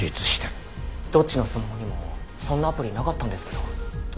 どっちのスマホにもそんなアプリなかったんですけど。